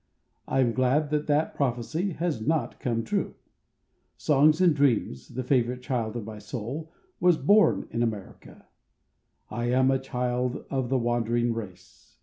I am glad that that prophecy has not come true. "Songs and Dreams," the favorite child of my soul, was bom in America. I am a child of the wandering race.